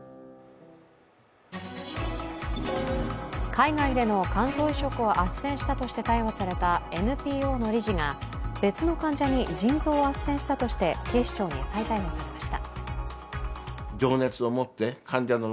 海外での肝臓移殖をあっせんしたとして逮捕されたＮＰＯの理事が別の患者に腎臓をあっせんしたとして警視庁に再逮捕されました。